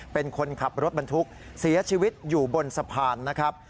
เป็นคนขับรถบรรทุกเสียชีวิตอยู่บนสะพานนะครับ